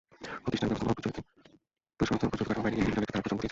প্রতিষ্ঠান ব্যবস্থাপনার প্রচলিত কাঠামোর বাইরে গিয়ে তিনি বিরল একটি ধারার প্রচলন ঘটিয়েছেন।